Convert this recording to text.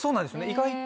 意外と。